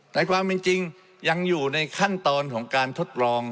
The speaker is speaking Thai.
แต่ความเป็นจริงยังอยู่ในขั้นตอนของการทดลอง